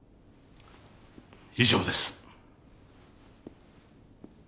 以上です。